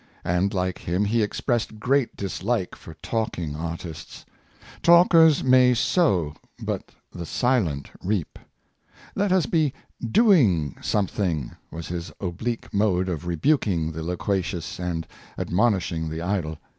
"and, like him, he expressed great dislike for talking artists. Talkers may sow, but the silent reap. " Let us be doing something, " was his oblique mode of rebuking the loquacious and admon ishing the idle.